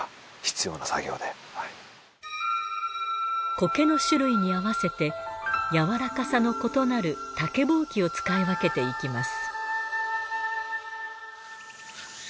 苔の種類に合わせて柔らかさの異なる竹箒を使い分けていきます。